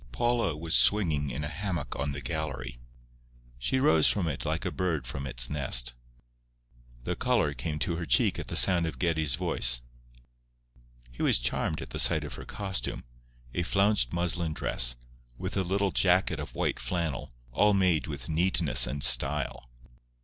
Paula was swinging in a hammock on the gallery. She rose from it like a bird from its nest. The colour came to her cheek at the sound of Geddie's voice. He was charmed at the sight of her costume—a flounced muslin dress, with a little jacket of white flannel, all made with neatness and style.